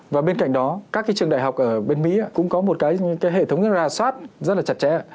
và bên cạnh đó các trường đại học ở bên mỹ cũng có một hệ thống ra soát rất là chặt chẽ